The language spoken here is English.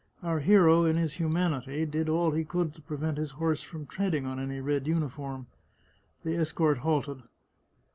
Our hero, in his humanity, did all he could to prevent his horse from treading on any red uniform. The escort halted.